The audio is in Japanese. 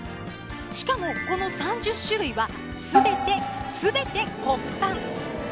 しかもこの３０種類はすべてすべて国産。